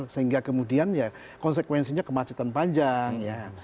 sehingga kemudian konsekuensinya kemacetan panjang